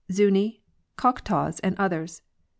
Zuni, Choctaws, and others.